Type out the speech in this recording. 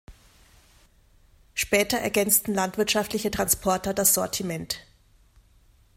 Später ergänzten landwirtschaftliche Transporter das Sortiment.